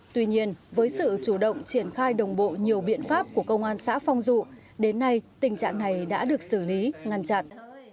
tuy nhiên với sự chủ động triển khai đồng bộ nhiều biện pháp của công an xã phong dụ đến nay tình trạng này đã được xử lý ngăn chặn